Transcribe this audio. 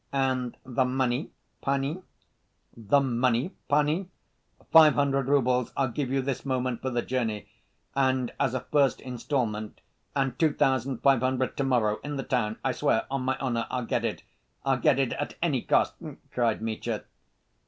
"And the money, panie?" "The money, panie? Five hundred roubles I'll give you this moment for the journey, and as a first installment, and two thousand five hundred to‐ morrow, in the town—I swear on my honor, I'll get it, I'll get it at any cost!" cried Mitya.